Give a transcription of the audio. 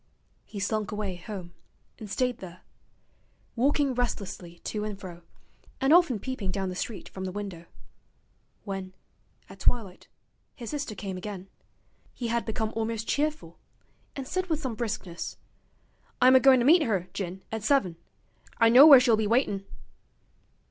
He slunk away home, and stayed there: walking restlessly to and fro, and often peeping down the street from the window. When, at twilight, his sister came again, he had become almost cheerful, and said with some briskness: 'I'm agoin' to meet 'er, Jin, at seven. I know where she'll be waitin'.'